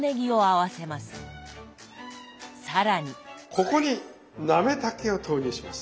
ここになめたけを投入します。